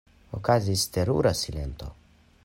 Okazis terura silento.